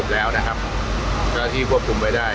เพราะว่าเมืองนี้จะเป็นที่สุดท้าย